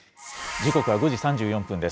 時刻は５時３４分です。